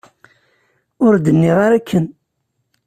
Ur d-nniɣ ara akken.